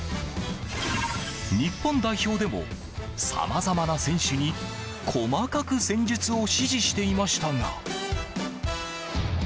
日本代表でもさまざまな選手に細かく戦術を指示していましたが。